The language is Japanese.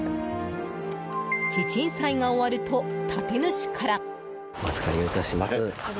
地鎮祭が終わると建主から。